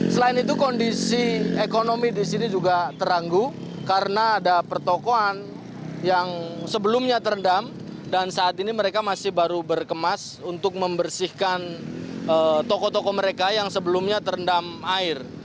selain itu kondisi ekonomi di sini juga teranggu karena ada pertokohan yang sebelumnya terendam dan saat ini mereka masih baru berkemas untuk membersihkan toko toko mereka yang sebelumnya terendam air